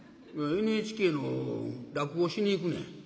「ＮＨＫの落語しに行くねん」。